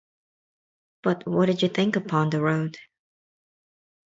But what did you think upon the road?